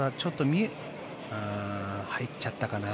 入っちゃったかな。